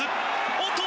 おっと。